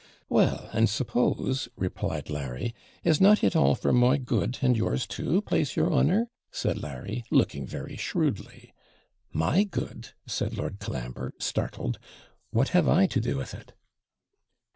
'Well, and suppose,' replied Larry, 'is not it all for my good, and yours too, plase your honour?' said Larry, looking very shrewdly. 'My good!' said Lord Colambre, startled. 'What have I to do with it?'